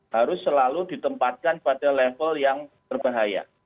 harus selalu ditempatkan pada level yang berbahaya